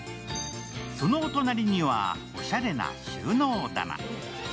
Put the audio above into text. そのお隣にはおしゃれな収納棚。